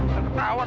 sakit tau gak